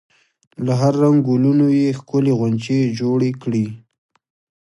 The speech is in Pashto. له هر رنګ ګلونو یې ښکلې غونچې جوړې کړي.